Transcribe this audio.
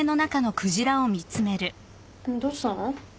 どうしたの？